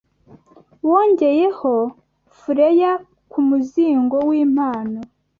wongeyeho fureya kumuzingo wimpano